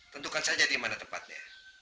tentukan saja di mana tempatnya